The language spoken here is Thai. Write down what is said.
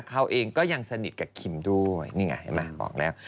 เขาเองก็ยังสนิทกับคิมด้วยนี่ไงเห็นไหมบอกแล้ว